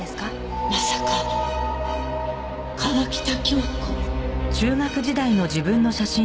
まさか川喜多京子！？